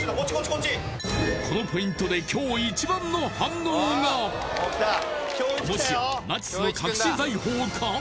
こっちこのポイントで今日一番の反応がもしやナチスの隠し財宝か？